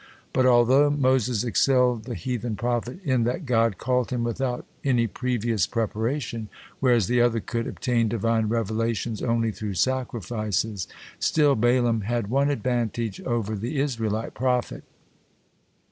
But although Moses excelled the heathen prophet in that God called him without any previous preparation, whereas the other could obtain Divine revelations only through sacrifices, still Balaam had one advantage over the Israelite prophet.